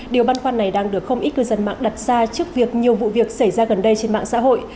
điều băn khoăn này đang được không ít cư dân mạng đặt ra trước việc nhiều vụ việc xảy ra gần đây trên mạng xã hội